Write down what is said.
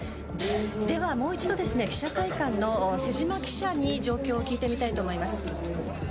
「ではもう一度ですね記者会館のセジマ記者に状況を聞いてみたいと思います」